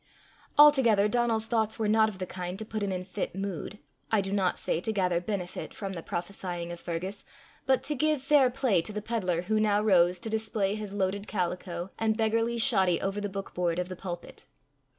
Altogether Donal's thoughts were not of the kind to put him in fit mood I do not say to gather benefit from the prophesying of Fergus, but to give fair play to the peddler who now rose to display his loaded calico and beggarly shoddy over the book board of the pulpit.